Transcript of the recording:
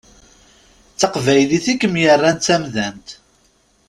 D taqbaylit i kem-yerran d tamdant.